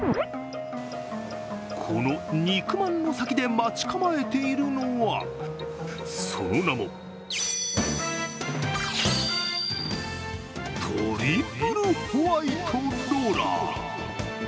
この肉まんの先で待ち構えているのは、その名もトリプルホワイトローラー。